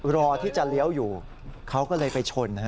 รอที่จะเลี้ยวอยู่เขาก็เลยไปชน